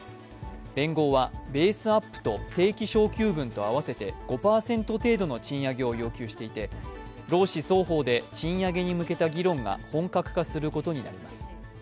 連合はベースアップと定期昇給分と合わせて５％程度の賃上げを要求していて労使双方で賃上げに向けた議論が本格化することになります。